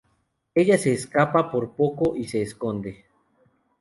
Ella escapa por poco y se esconde.